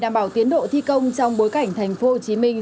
để đảm bảo tiến độ thi công trong bối cảnh thành phố hồ chí minh